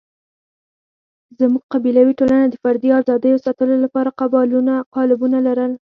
زموږ قبیلوي ټولنه د فردي آزادیو ساتلو لپاره قالبونه لرل.